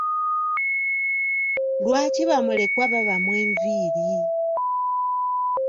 Lwaki ba mulekwa babamwa enviiri?